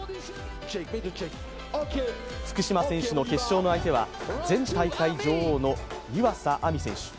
福島選手の決勝の相手は、前大会優勝の湯浅亜実選手。